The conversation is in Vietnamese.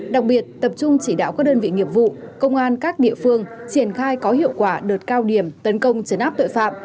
đặc biệt tập trung chỉ đạo các đơn vị nghiệp vụ công an các địa phương triển khai có hiệu quả đợt cao điểm tấn công chấn áp tội phạm